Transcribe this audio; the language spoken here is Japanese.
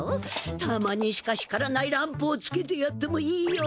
たまにしか光らないランプをつけてやってもいいよ！